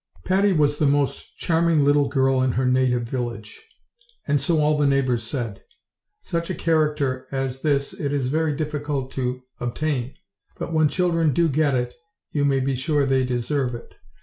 PATTY was the most charming little girl in her native village, and so all the neighbors said. Such a character as this it is very difficult to obtain; but when children do get it you may be sure they deserve it.